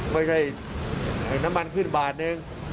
ไม่ใช่ไอ้น้ำมันขึ้นบาทนึง